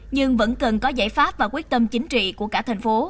nhưng vẫn cần có giải pháp và quyết tâm chính trị của cả thành phố